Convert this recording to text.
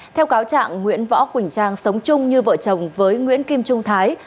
theo cáo trạng nguyễn võ quỳnh trang sống chung như vợ chồng với nguyễn kim trung thái